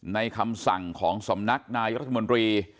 คำสั่งของสำนักนายรัฐมนตรี